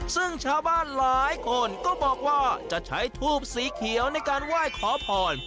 ซึ่งชาวบ้านหลายคนก็บอกว่าจะใช้ทูบสีเขียวในการไหว้ขอพร